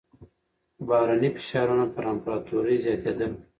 بهرني فشارونه پر امپراتورۍ زياتېدل.